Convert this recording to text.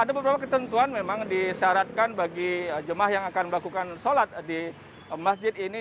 ada beberapa ketentuan memang disyaratkan bagi jemaah yang akan melakukan sholat di masjid ini